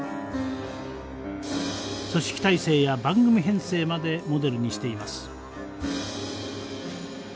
組織体制や番組編成までモデルにしています。